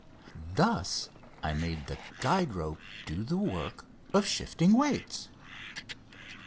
Thus I made the guide rope do the work of shifting weights.